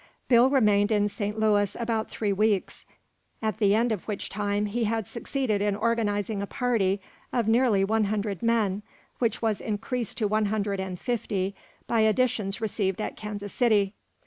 Bill remained in St. Louis about three weeks, at the end of which time he had succeeded in organizing a party of nearly one hundred men, which was increased to one hundred and fifty by additions received at Kansas City.